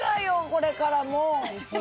これからもう！